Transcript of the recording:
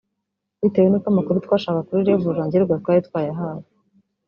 Bitewe nuko amakuru twashakaga kuri Rev Rurangirwa twari twayahawe